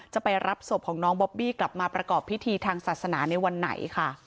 จะไปรับศพของน้องบอบบี้กลับมาประกอบพิธีทางศาสนาในวันไหนค่ะ